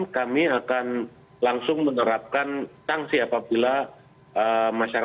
kami akan ajak serta para asosiasi asosiasi